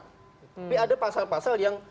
tapi ada pasal pasal yang